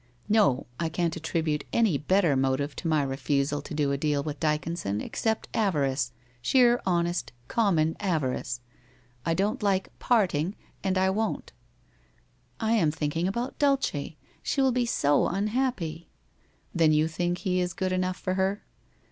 ' Xo. I can't attribute any better motive to my refusal to do a deal with Dyconson except avarice, sheer honest common avarice. I don't like " parting " and I won't.' * I am thinking about Dulce. She will bo so unhappy.' ' Then you think he is good enough for her?